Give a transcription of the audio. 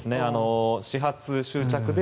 始発・終着で。